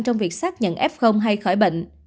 trong việc xác nhận f hay khỏi bệnh